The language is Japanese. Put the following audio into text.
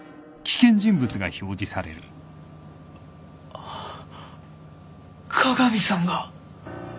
あっ加賀美さんが。